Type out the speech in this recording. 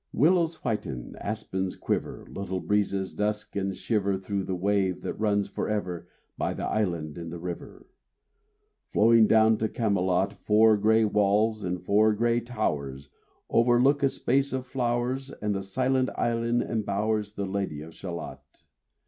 Willows whiten, aspens quiver, Little breezes dusk and shiver Through the wave that runs for ever By the island in the river Flowing down to Camelot. RAINBOW GOLD Four gray walls, and four gray towers, Overlook a space of flowers, And the silent isle embowers The Lady of Shalott.